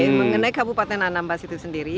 tapi mengenai kabupaten anambas itu sendiri